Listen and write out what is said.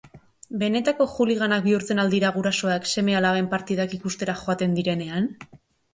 Benetako holliganak bihurtzen al dira gurasoak seme-alaben partidak ikustera joaten direnean?